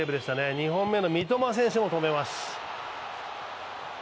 ２本目の三笘選手も止めます。